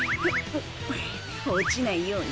落ちないように慎重に。